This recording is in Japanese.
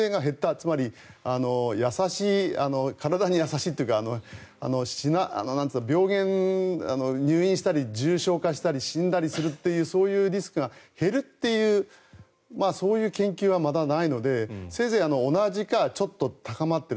つまり、体に優しいというか入院したり重症化したり死亡したりするリスクが減るという研究はまだないのでせいぜい同じかちょっと高まっている。